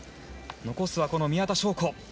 残すは宮田笙子。